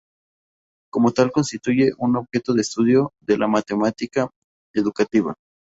Como tal constituye un objeto de estudio de la matemática educativa.